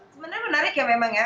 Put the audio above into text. sebenarnya menarik ya memang ya